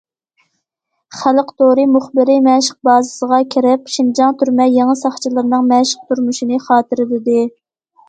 خەلق تورى مۇخبىرى مەشىق بازىسىغا كېرىپ شىنجاڭ تۈرمە يېڭى ساقچىلىرىنىڭ مەشىق تۇرمۇشىنى خاتىرىلىدى.